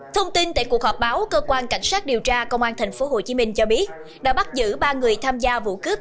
thông tin tại cuộc họp báo cơ quan cảnh sát điều tra công an tp hcm cho biết đã bắt giữ ba người tham gia vụ cướp